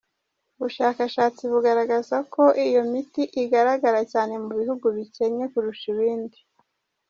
Ubushakashatsi bugaragaza ko iyo miti igaragara cyane mu bihugu bikennye kurusha ibindi.